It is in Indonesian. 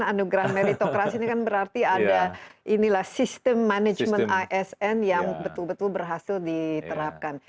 anugerah meritokrasi ini kan berarti ada inilah sistem manajemen asn yang betul betul berhasil diterapkan